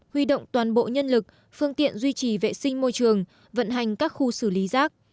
huy động toàn bộ nhân lực phương tiện duy trì vệ sinh môi trường vận hành các khu xử lý rác